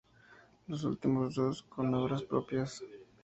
Los últimos dos, con obras propias.